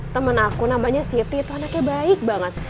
temen aku namanya siti itu anaknya baik banget